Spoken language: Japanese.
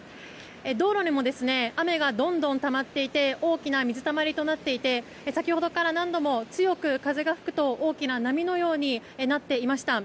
道路にも雨がどんどんたまっていて大きな水たまりとなっていて先ほどから何度も強く風が吹くと大きな波のようになっていました。